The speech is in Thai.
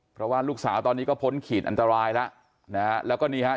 เพราะว่าลูกสาวตอนนี้ก็พ้นขีดอันตรายแล้วนะฮะแล้วก็นี่ฮะ